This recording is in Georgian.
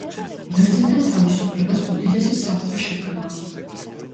ბერძენთა თავისუფლებას უდიდესი საფრთხე შექმნა.